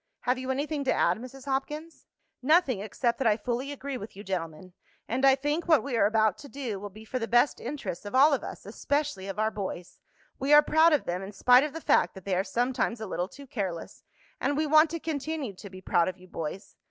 Have you anything to add, Mrs. Hopkins?" "Nothing except that I fully agree with you gentlemen. And I think what we are about to do will be for the best interests of all of us, especially of our boys. We are proud of them in spite of the fact that they are sometimes a little too careless, and we want to continue to be proud of you, boys.